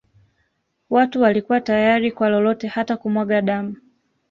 Watu walikuwa tayari kwa lolote hata kumwaga damu